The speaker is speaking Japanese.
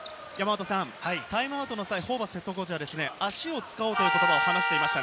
タイムアウトの際、ホーバスＨＣは足を使おうと話していました。